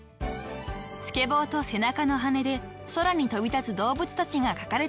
［スケボーと背中の羽で空に飛び立つ動物たちが描かれたＴシャツ］